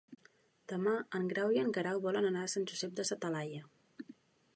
Demà en Grau i en Guerau volen anar a Sant Josep de sa Talaia.